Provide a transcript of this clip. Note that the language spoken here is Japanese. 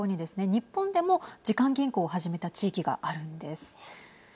日本でも時間銀行を始めた地域があるんです。